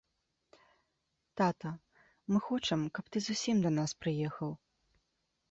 Тата, мы хочам, каб ты зусім да нас прыехаў.